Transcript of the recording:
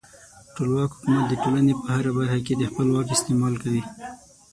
ټولواک حکومت د ټولنې په هره برخه کې د خپل واک استعمال کوي.